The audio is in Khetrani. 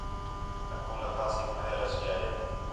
اڳوں لَکھاس ہِک محل اَچ ڳِیا ہِے